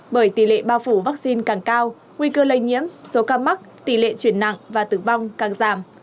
bởi tỷ lệ bao phủ vaccine càng cao nguy cơ lây nhiễm số ca mắc tỷ lệ chuyển nặng và tử vong càng giảm